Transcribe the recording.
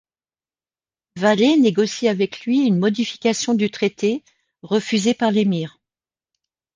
Valée négocie avec lui une modification du traité, refusée par l'émir.